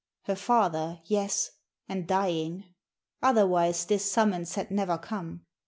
Her father, yes, and dying! Otherwise this summons had never come.